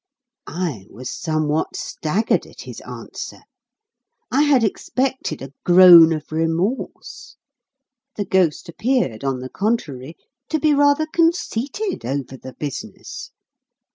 I was somewhat staggered at his answer. I had expected a groan of remorse. The ghost appeared, on the contrary, to be rather conceited over the business.